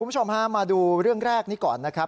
คุณผู้ชมฮะมาดูเรื่องแรกนี้ก่อนนะครับ